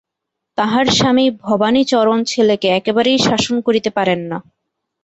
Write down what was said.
তাঁহার স্বামী ভবানীচরণ ছেলেকে একেবারেই শাসন করিতে পারেন না।